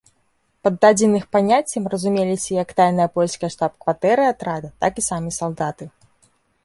Пад дадзеных паняццем разумеліся як тайная польская штаб-кватэра атрада, так і самі салдаты.